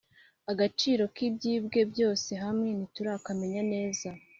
agaciro k’ibyibwe byose hamwe ntiturakamenya neza